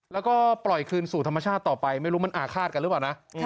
แล้วก็ปล่อยคืนสู่ธรรมชาติต่อไปไม่รู้มันอาฆาตกันหรือเปล่านะ